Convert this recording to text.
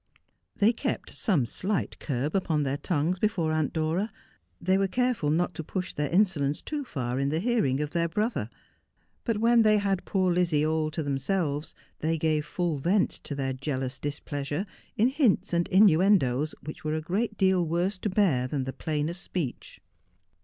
They kept some slight curb upon their tongues before Aunt Dora ; they were careful not to push their insolence too far in the hearing of their brother. But when they had poor Lizzie all to themselves they gave full vent to their jealous displeasure, in hints and innuendoes which were a great deal worse to bear than the plainest speech.